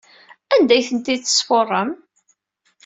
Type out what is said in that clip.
Anda ay tent-id-tesfuṛem?